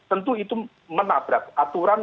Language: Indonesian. tentu itu menabrak aturan